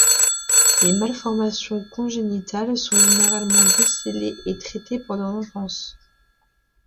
Les malformations congénitales sont généralement décelées et traitées pendant l'enfance.